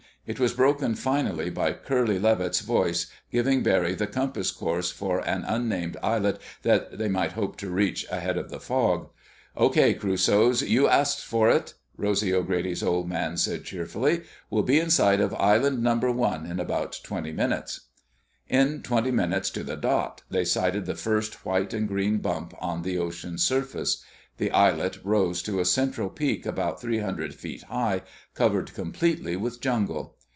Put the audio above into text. It was broken finally by Curly Levitt's voice giving Barry the compass course for an unnamed islet that they might hope to reach ahead of the fog. "Okay, Crusoes, you asked for it!" Rosy's Old Man said cheerfully. "We'll be in sight of Island number one in about twenty minutes." In twenty minutes to the dot they sighted the first white and green bump on the ocean's surface. The islet rose to a central peak about three hundred feet high, covered completely with jungle.